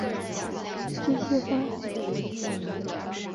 这年的晚些时候被任命为团和军械官副官和军械官。